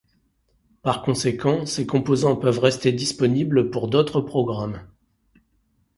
Par conséquent, ces composants peuvent rester disponibles pour d'autres programmes.